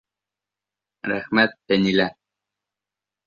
Рәхмәт, Фәнилә!